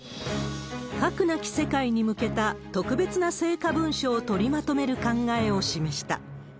核なき世界に向けた、特別な成果文書を取りまとめる考えを示した。